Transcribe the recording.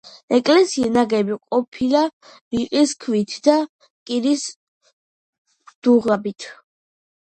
ეკლესია ნაგები ყოფილა რიყის ქვითა და კირის დუღაბით.